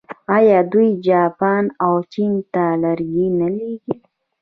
آیا دوی جاپان او چین ته لرګي نه لیږي؟